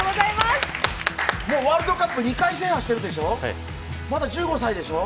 もうワールドカップ、２回制覇してるでしょ。